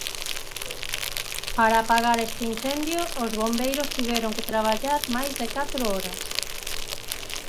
Para apagar este incendio os bombeiros tiveron que traballar máis de catro horas.